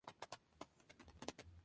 Van Damme se ha casado cinco veces.